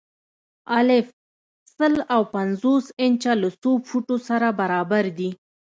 الف: سل او پنځوس انچه له څو فوټو سره برابر دي؟